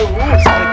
iya pak rt